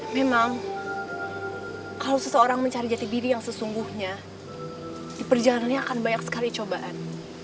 memang kalau seseorang mencari jati diri yang sesungguhnya di perjalanannya akan banyak sekali cobaan